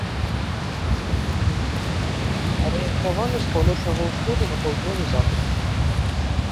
Арыентаваны з паўночнага ўсходу на паўднёвы захад.